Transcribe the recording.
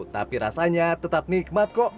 tapi rasanya tetap nikmat kok